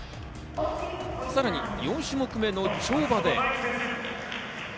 さらに４種目目の跳馬で。